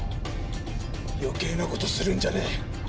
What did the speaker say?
余計なことするんじゃねえ。